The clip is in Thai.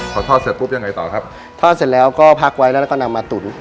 พอทอดเสร็จปุ๊บยังไงต่อครับทอดเสร็จแล้วก็พักไว้แล้วแล้วก็นำมาตุ๋น